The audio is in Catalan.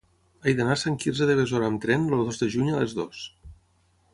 He d'anar a Sant Quirze de Besora amb tren el dos de juny a les dues.